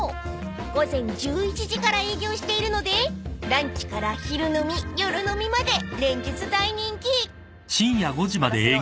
［午前１１時から営業しているのでランチから昼飲み夜飲みまで連日大人気］